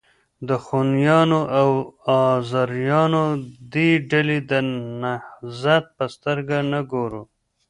د خونیانو او آزاریانو دې ډلې ته د نهضت په سترګه نه ګورو.